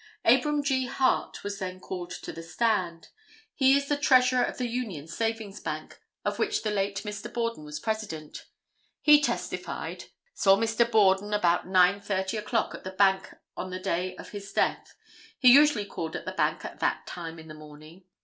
Abram G. Hart was then called to the stand. He is the Treasurer of the Union Savings Bank, of which the late Mr. Borden was President. He testified: "Saw Mr. Borden about 9:30 o'clock at the bank on the day of his death. He usually called at the bank at that time in the morning.